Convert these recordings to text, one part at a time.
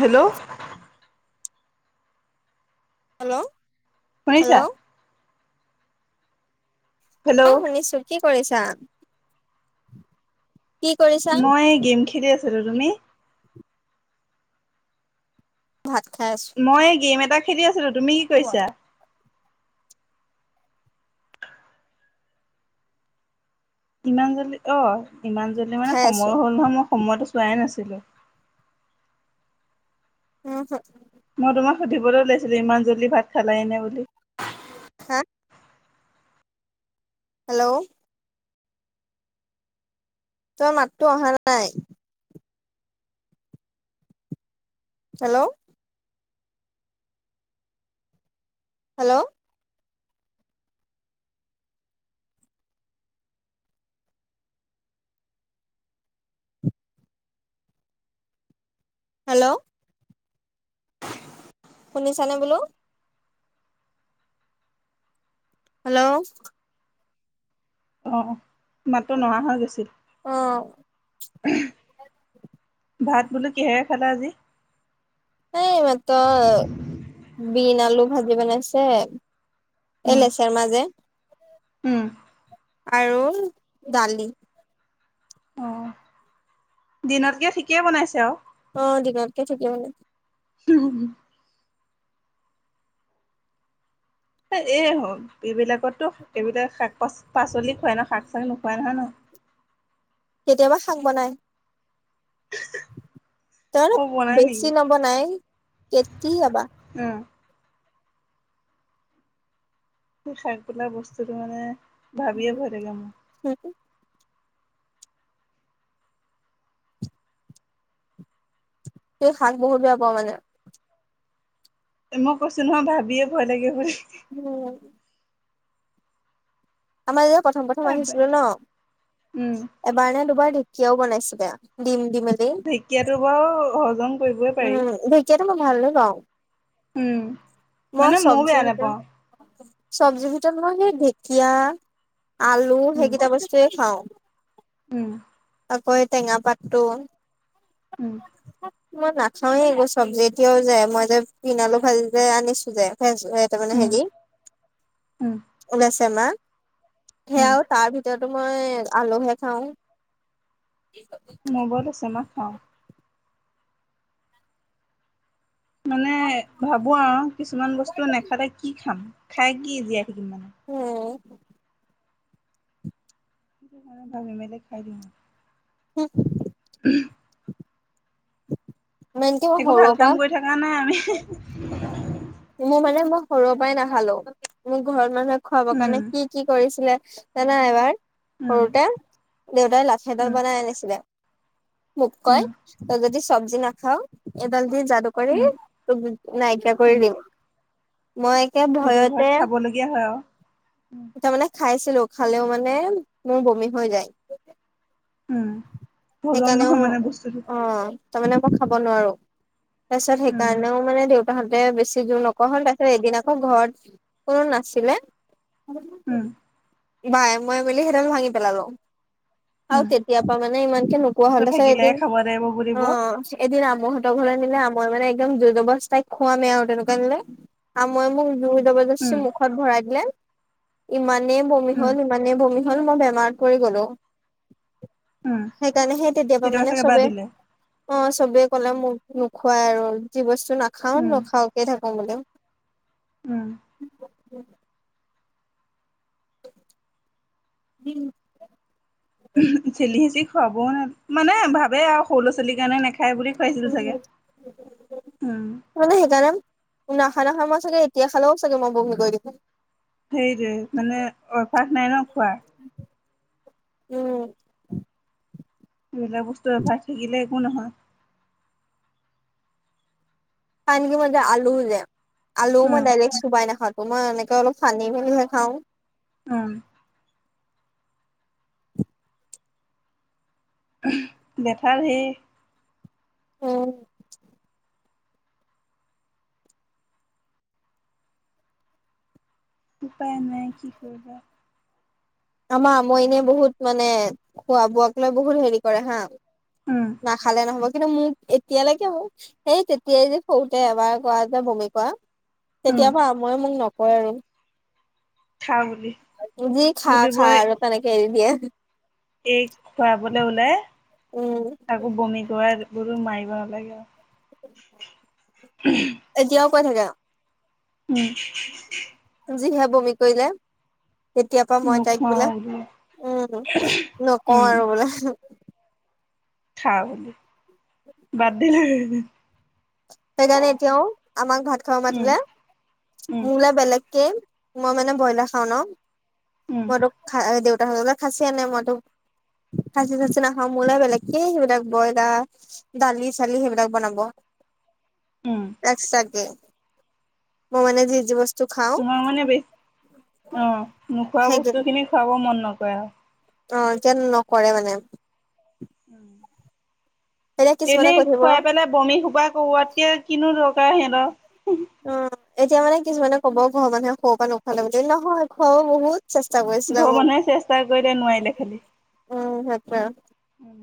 Hello hello. শুনিছা? Hello অ hello শুনিছো, কি কৰিছা? কি কৰিছা মই গেম খেলি আছিলো, তুমি? ভাত খাই আছো। মই গেম এটা খেলি আছিলো, তুমি কি কৈছা? ইমান জল্দি অ ইমান জল্দি মানে খাই আছো সময়ো হ'ল নহয় মই সময়টো চোৱাই নাছিলো। উম হুম। মই তোমাক সুধিবলৈ ওলাইছিলো ইমান জল্দি ভাত খালাইনে বুলি। হা- হেল্ল'। তই মাততো অহা নাই? হেল্ল'। হেল্ল'। হেল্ল', শুনিছানে বোলো? হেল্ল'। অঁহ, মাতটো নহা হৈ গৈছিল। অ ভাত বোলো কিহেৰে খালা আজি? এই ই মাতৰ বিন আলু ভাজি বনাইছে। এ উম, লেছাৰ মাজে উম আৰু দালি অঁ, দিনতকে ঠিকেই বনাইছে আঔ। অ দিনতকে থিকে আৰু তো হো হো এই, এই বিলাকতো এইবিলাক শাক-পাচ পাচলি খুৱাই ন? শাক চাক নোখোৱাই নহয় ন? কেতিয়াবা খাং বনাই। তেউলুক অ' বনাই বেছি নেকি? নবনাই, কেতি'য়াবা। উম সেই শাক বলা বস্তুটো মানে ভাবিয়ে ভয় লাগে মু। [unintelligible] সেই শাক বহুত বেয়া পাৱ মানে? মই কৈছো নহয়, ভাবিয়ে ভয় লাগে বুলি। ভয় লাগে। আমাৰ এইয়া প্ৰথম প্ৰথম আহিছিলো উম ন এবাৰ নে দুবাৰ ঢেঁকীয়াও বনাইছিলে। দিম দিম ঢেঁকীয়াতো বাৰু হজম কৰিবই পাৰি। কিয়াতু মই ভাল নে পাওঁ। উম মই মানে ময়ো চব্জিৰ বেয়া ভিতৰত নাপাওঁ। চব্জিৰ ভিতৰত মই সেই ঢেকীয়া, আলু উম সেইকেইটা বস্তুয়ে খাওঁ। উম আকৌ এ টেঙা পাতটো ওম [unintelligible] মই নাখাওৱে একো চব্জি এতিয়াও যে মই যে পিনালো ভাজি যে আনিছো যে ত মানে উম হেৰি, উম ওলাইছে মা উম সেয়াও তাৰ ভিতৰতো মই আলুহে খাওঁ। ম'বলু ছেমাহ খাওঁ। মানে ভাবো আৰু কিছুমান বস্তু নেখালে কি খাম, খাই কি জীয়াই থাকিম মানে? উম' [unintelligible] খাই দিম। [unintelligible] মেনকে মই একো ভাল সৰুৰ পৰা কাম কৰি থকা নাই আমি। মই মানে মই সৰুৰ পৰাই নাখালোঁ। মোক ঘৰত মানুহে খুৱাব কাৰণে উম কি কি কৰিছিলে জানা এবাৰ? উম সৰুতে, দেউতাই লাঠেডাল উম বনাই আনিছিলে। মোক উম কয় তই যদি চব্জি নাখাওঁ, এডাল দি যাদুকৰী উম তোক নাইকিয়া উম কৰি দিম। মই একে সেইটো ভয়তে ঘৰত খাবলগীয়া হয় আৰু উম তাৰমানে খাইছিলোঁ, খালেও মানে মোৰ বমি হৈ যায়। উম। হজম সেইকাণেও, নহয় মানে বস্তুটো অঁ তাৰ মানে মই খাব নোৱাৰোঁ। তা-ছত উম সেইকাৰণেও মানে দেউতাহঁতে বেছি যোৰ নকৱা হ'ল তাৰপিছত এদিন আকৌ ঘৰত কোনো নাছিলে উম বাই, মই মিলি সেইডাল ভাঙি পেলালোঁ। উম আৰু তেতিয়াপা মানে ইমানকে নোকোৱা ত হ'ল, তাছত থাকিলেহে এদিন, খাব লাগিব বুলিব অঁ এদিন আমহঁতৰ ঘলৈ নিলে আমই মানে একদ জ জবৰ তাই খোৱামে আৰু তেনেকুৱা। মই মোক জুইব উম মুখত ভৰাই দিলে ইমানেই। বমি উম হল ইমানেই বমি হ'ল মই বেমাৰ পৰি গ'লো। উম সেইকাৰণে সেই তেতিয়াবা কেতিয়াবা মানে চাগে বাদ চবেই দিলে অ চবে কলে মোক নোখোৱাই আৰু যি বস্তু নাখাও উম নখাওকে থাকো বুলি উম উম ঠেলি সিচি খুৱাবও মানে ভাবে আৰু সৰু ল' ছোৱালীৰ কাৰণে নেখায় বুলি। খাইছিল চাগে উম মানে সেইকাৰণে নখা নাখা মই চাগে এতিয়া খালেও চাগে মই বমি কৰি দিম সেইৰে মানে অভাস নাই ন খোৱা। উম এইবিলাক বস্তু এভাৰ থাকিলে একো নহয়। খাই থাকিব যে আলুও যোয় আলুও মই উম ডাইৰেক্ট চুবাই নাখাওঁ। মই এনেকে অলপ চানি মেলিহে খাওঁ। উম বেঠাৰ সেই উম উপায় নাই কি কৰিবা। আমাৰ আমৈনীয়ে বহুত মানে খোৱা বোৱাক লৈ বহুত হেৰি কৰে হা উম নাখালে নহ'ব কিন্তু মোৰ। এতিয়ালৈকে মোৰ সেই তেতিয়াই যে সৰুতে এবাৰ কৰা যে বমি কৰা। উম তেতিয়াবা মই মোক নকয়। আৰু খা বুলি যি খা খা বুলিবই আৰু তেনেকে এৰি দিয়ে। এই খুৱাবলৈ ওলাই উম আকৌ বমি কৰে। গৰু মাৰিব নালাগে আৰু এতিয়াও কৈ থাকে। আৰু উম জি হা বমি কৰিলে। তেতিয় পৰা মই তাইক বোলে নোখোৱাও বোলো উম নকওঁ উম আৰু বোলো। খা বুলিলে বাদ দি সেইকাৰণে এতিয়াও আমাক ভাত খাব উম মাতিলে উম ম বেলেগকে মই মানে ব্ৰইলাৰ খাওঁ ন উম মই তোক দেউতাত খাচি আনে মইতো খাচি ছাচি নাখাওঁ মোলৈ বেলেগ কি সেইবিলাক বইলা। দালি চালি সেইবিলাক বনাব। উম এক চাকে মোৰ মানে যোৰজবস্তি তোমাৰ মানে বেি অ নোখোৱা সেই বস্তু খিনি খুৱাব মন নকৰে। আৰু অ এয়া নকৰে মানে। উম এতিয়া কিছুমানে এনেই কৈ থাকিব খুৱাই পেলাই বমি সোপা কৰোৱাতকে কিনো দৰকাৰ সিহঁতৰ- অ এতিয়া মানে কিছুমানে কব ঘৰ মানুহে খৰ পৰা নোখুৱাল যদি নহয়। খোৱাও বহুত চেষ্টা কৰি। ঘৰৰ মানুহে চেষ্টা কৰিলে নোৱাৰিলে খালি। উম সেইটোৱে আৰু উম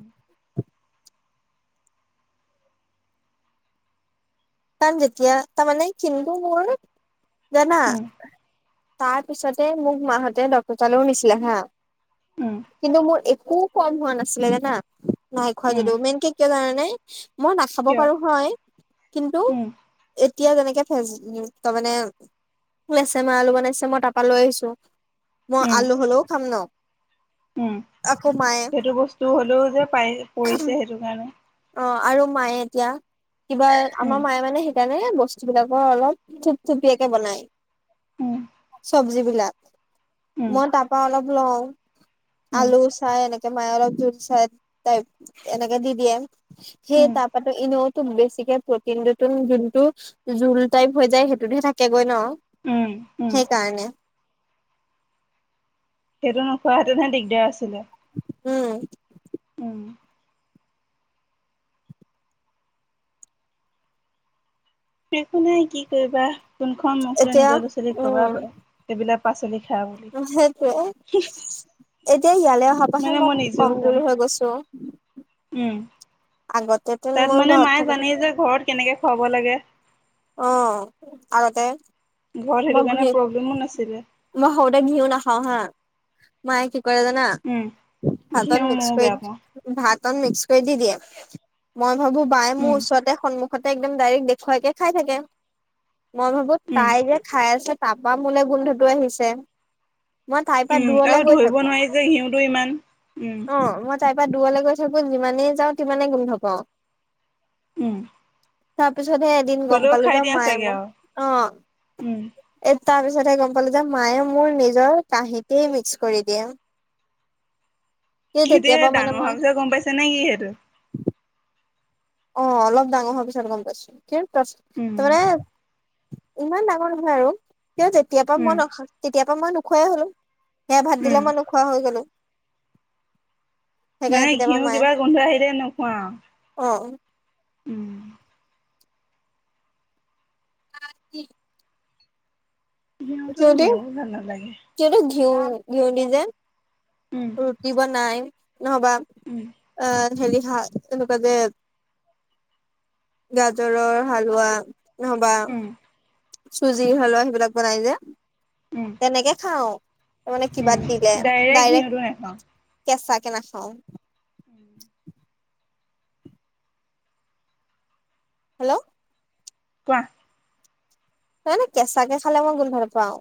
তাত যেতিয়া তাৰমানে কিন্তু মোৰ জানা তাৰ পিছতে মোক মাহঁতে ডক্তৰ তালৈও নিছিলে হা। উম কিন্তু মোৰ একো- কম হোৱা নাছিলে জানা নাই খোৱা উম যদিও, মেইনকে কিয় জানানে! নাই মই নাখাব কিয় পাৰো হয়- কিন্তু, উম এতিয়া যেনেকে ফেচ তাৰমানে- ওলাইছে, মাই আলু বনাইছে, মই তাৰপা লৈ আহিছো, মই উম আলু হলেও খাম ন। উম। আকৌ মায়ে সেইটো বস্তু হ'লেও যে পাই পৰিছে সেইটো কাৰণে। অ আৰু মায়ে এতিয়া, কিবা আমাৰ উম মায়ে মানে সেইকাৰণে বস্তু যিবিলাকৰ অলপ থুপ-থুপিয়াকে বনাই। উম চবজি বিলাক। উম মই তাৰ পৰা অলপ লওঁ, উম আলু চাই এনেকে। ত মায়ে অলপ জোল চাই টাইপ এনেকে দি দিয়ে, সেই উম, তাৰ পৰাতো এনেও টো বেছিকে প্ৰটিনতটো যোনটো জোল টাইপ হৈ যায় সেইটোতহে থাকেগৈ ন। উম, উম। সেইকাৰণে। সেইটো নোখোৱো হেতেনহে দিগদাৰ আছিলে। উম। উম। একো নাই কি কৰিবা, কোনখন মুখ লৈ এতিয়া নিজৰ পাচলি খুৱাবা উম আকৌ। সেইবিলাক পাচলি খা বুলি। সেইটোয়ে এতিয়া ইয়ালৈ অহাৰ পাচত মানে মই নিজেও কম কমজুৰি হৈ গৈছো। উম। আগতে তাত মানে মায়ে জানেই যে ঘৰত কেনেকে খুৱাব লাগে। অ। আগতে ঘৰত মই সেইটো কাৰণে ঘি প্ৰব্লেমো নাছিলে। মই সৰুতে ঘিও নাখাওঁ হা। মায়ে কি কৰে জানা! উম, ভাতত ঘিউ মিক্স ময়ো কৰি বেয়া পাওঁ। ভাতত মিক্স কৰি দি দিয়ে। মই ভাবো বায়ে মোৰ উম, ওচৰতে সন্মুখত সতে একদম ডাইৰেক্ট দেখুৱাইকে খাই থাকে। মই ভাবো উম, তাই যে, খাই আছে তাৰপৰা মোলে গোন্ধটো আহিছে। মই তাইৰ পৰা উম, আৰু দূৰলে গৈ ধৰিব থাকো। নোৱাৰি যে ঘিউটো ইমান। উম, অ মই তাইৰ পৰা দূৰলৈ গৈ থাকো যিমানেই যাওঁ সিমানে গোন্ধ পাওঁ। উম। তাৰ পিছতহে এদিন গম হ'লেও পালো খাই যে দিয়া মায়ে চাগে মোক আৰু। অ। উম। এই তাৰ পিছতেহ গম পালো যে মায়ে মোৰ নিজৰ কাহিতেই মিক্স কৰি দিয়ে। সেই কি তেতিয়াৰ দিয়ে পৰা মানে ডাঙৰ মই হোৱাৰ পিচত গম পাইছানে কি সেইটো? অ অলপ ডাঙৰ হোৱাৰ পিছত গম পাইছো। কি তাৰ উম, মানে, ইমান ডাঙৰ নহয় আৰু। তেতিয়াৰ পৰা উম, মই নখ তেতিয়াৰ পৰা মই নোখোৱাই হ'লো। সেয়া ভাত দিলে উম। মই নোখোৱা হৈ গলো। সেইকাৰণে মানে তেতিয়াবা ঘিউ মায়ে কিবা গোন্ধ আহিলে নোখোৱা আৰু? অ। উম উ [unintelligible] সিহঁতৰ মোৰো ভাল নালাগে। কিন্তু ঘিউ ঘিউ দি যে, উম ৰুটি বনাই। নহবা উম আ হেৰি শা এনেকুৱা যে গাজৰৰ হালোৱা। নহবা উম চুজি হালোৱা সেইবিলাক বনাই যে উম তেনেকে খাও মানে উম কিবা দিলে ডাইৰেক্ট ঘিউটো নাখাওঁ কেঁচা কে নাখাওঁ উম হেল্ল' কোৱা এনেই কেঁচাকে খালে মই বহুত ভাল পাওঁ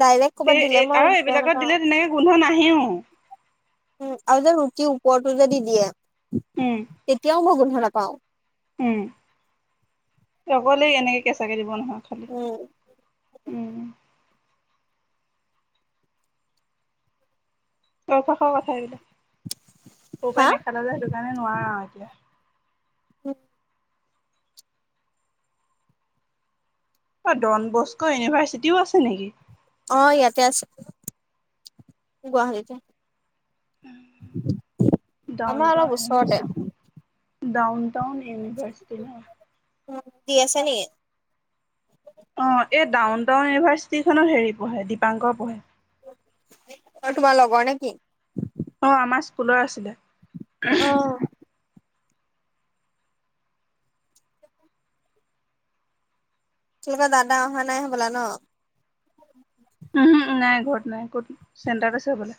ডাইৰেক্ট ক'বাত দিলে এই মই আৰু বেয়া এইবিলাকত নাপাওঁ দিলে তেনেকে গোন্ধ নাহেও উম আও যে ৰুটিৰ ওপৰতো যে দি দিয়ে উম তেতিয়াও মই গোন্ধ নাপাও উম তই অকলেই এনেকে কেঁচাকে দিব নহয় খালি উম উম চৌপাষৰ কথা সেইবিলাক সৰুৰ হা পৰাই নেখালা যে সেইটো কাৰণে নোৱাৰা এতিয়া [unintelligible] এ ডন বস্কো ইউনিভাৰ্চিটিও আছে নেকি? অ ইয়াতে আছে গুৱাহাটীতে ডাউন আমাৰ টাউন অলপ ইউনিভাৰ্চিটি ওচৰতে ডাউন টাউন ইউনিভাৰ্চিটি ন উম দি আছে নেকি অ এই ডাউন টাউন ইউনিভাৰ্চিটিখনত হেৰি পঢ়ে দীপাংকৰ পঢ়ে অ তোমাৰ লগৰ নেকি? অ আমাৰ স্কুলৰ আছিলে। অ এতিয়ালৈকে দাদা অহা নাই হ'বলা ন উম হু নাই ঘৰত নাই ক'ত চেণ্টাৰত আছে বোলে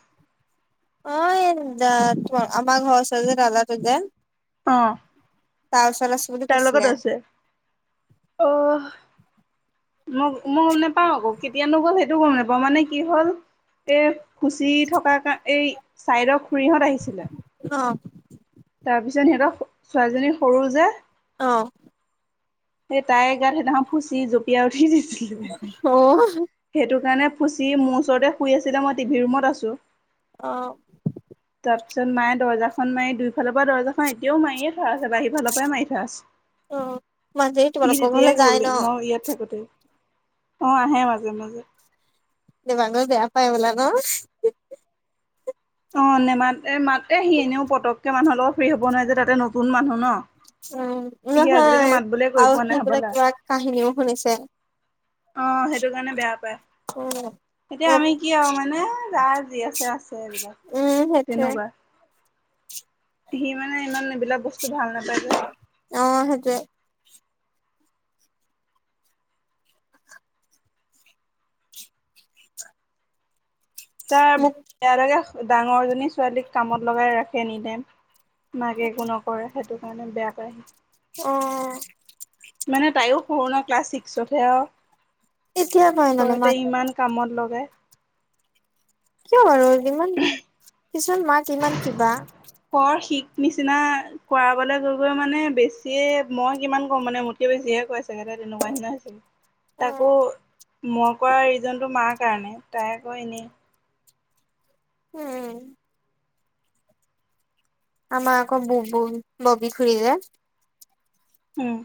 অ এই দা তোমাৰ আমাৰ ঘৰৰ ওচৰৰ দাদা টো যে অ তাৰ ওচৰত বুলি তাৰ কৈছিলে লগত আছে, আহ মই মই গম নেপাওঁ আকৌ কেতিয়ানো গ'ল সেইটোও গম নেপাওঁ মানে কি হ'ল এ খুচি থকা এই চাইডৰ খুৰীহঁত আহিছিল অ তাৰপিছত সিহঁতৰ ছোৱালীজনী সৰু যে অ সেই তাইৰ গাত সেইদিনাখন ফুচি জঁপিয়াই উঠি দিছিলে অ সেইটো কাৰণে ফুচি মোৰ ওচৰতে শুই আছিলে মই টিভি ৰুমত আছোঁ অ তাৰ পিছত মায়ে দৰ্জাখন মাৰি দুইফালৰ পৰা দৰ্জাখন এতিয়াও মাৰিয়ে থোৱা আছে বাহিৰ ফালৰ পৰাই মাৰি থোৱা আছে, অ মাজেৰি ই তোমালোকৰ ঘৰলে তেতিয়াই যায় গ'ল ন দেই মই ইয়াত থাকোতে অ আহে মাজে মাজে দীপাংকৰে বেয়া পায় বোলে ন অ নেমাতে মাতে সি এনেও পতকে মানুহৰ লগত ফ্ৰী হ'ব নোৱাৰে যে তাতে নতুন মানুহ ন উম সি আজিলৈকে নহয় মাত বোলে কৰি আৰু পোৱা নাই সি বোলে হবলা কিবা কাহিনীও শুনিছে অ সেইটো কাৰণে বেয়া পায় উম এতিয়া মোক আমি কি আও মানে যা যি আছে আছে এইবিলাক উম সেইটোৱে তেনেকুৱা সি মানে ইমান এইবিলাক বস্তু ভাল নাপায় যে অহ সেইটোৱে তাৰ মোক বেয়া লাগে ডাঙৰজনী ছোৱালীক কামত লগাই ৰাখে এনিটাইম মাকে একো নকৰে সেইটো কাৰণে বেয়া পায় সি অ মানে তাইও সৰু ন ক্লাছ ছিক্সতহে এতিয়া ক ঘৰতে ইমান কামত লগাই কিয় বাৰু ইমান কিছুমান মাক ইমান কিবা পৰ শিক নিচিনা ফুৰাবলে গৈ গৈ মানে বেছিয়ে মই কিমান ক'ম মানে মোতকে বেছিহে কয় তেনেতে তেনেকুৱা নিচিনা হৈছে উম তাকো মই কৰা ৰিজনটো মাৰ কাৰণে তাই ক এনে উম আমা ক বু বু ববি খুৰি যে উম